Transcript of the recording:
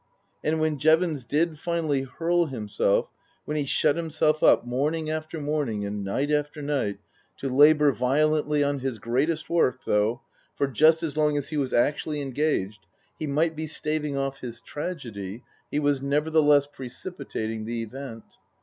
And when Jevons did finally hurl himself, when he shut himself up, morning after morning and night after night, to labour violently on his greatest work, though, for just as long as he was actually engaged, he might be staving off his tragedy, he was nevertheless precipitating the event.